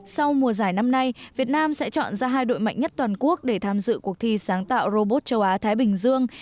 sau mùa giải năm nay việt nam sẽ chọn ra hai đội mạnh nhất toàn quốc để tham dự cuộc thi sáng tạo robot châu á thái bình dương